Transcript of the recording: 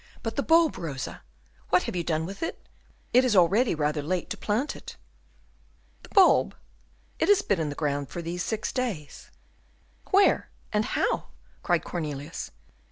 But the bulb, Rosa; what have you done with it? It is already rather late to plant it." "The bulb? It has been in the ground for these six days." "Where? and how?" cried Cornelius.